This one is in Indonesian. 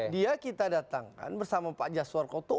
dia kita datangkan bersama pak jaswar koto